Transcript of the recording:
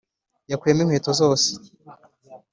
yakuyemo inkweto zose